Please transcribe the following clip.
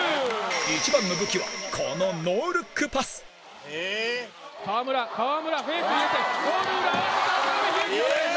一番の武器はこのノールックパス実況：河村、フェイク入れてゴール裏、合わせた！